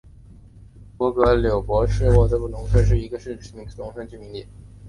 博戈柳博沃农村居民点是俄罗斯联邦弗拉基米尔州苏兹达尔区所属的一个农村居民点。